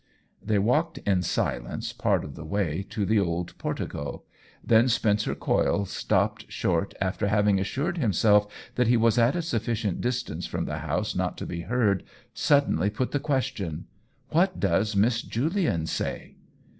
They walked in silence part of the way to the old portico ; then Spencer Coyle, stopping short after having assured himself that he was at a sufficient distance from the house not to be heard, suddenly put the question : "What does Miss Julian say?"